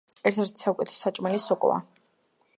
ერთ-ერთი საუკეთესო საჭმელი სოკოა.